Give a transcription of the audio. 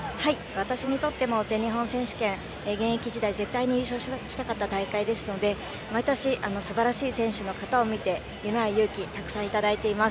私にとっても全日本選手権現役時代、絶対に優勝したかった大会ですので毎年、すばらしい選手の形を見て夢や勇気たくさんいただいています。